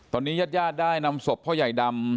ตอนนี้ญาติญาติได้นำศพพ่อใหญ่ดำ